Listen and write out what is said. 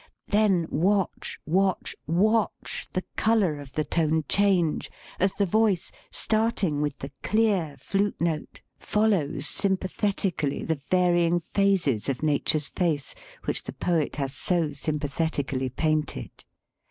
Then watch, watch, watch the color of the tone change as the voice, starting with the clear flute note, follows sympathetically THE SPEAKING VOICE the varying phases of Nature's face which the poet has so sympathetically painted.